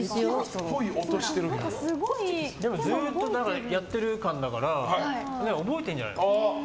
ずっとやってる感だから覚えてるんじゃないの？